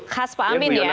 khas pak amin ya